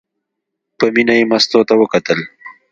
په مینه یې مستو ته وکتل.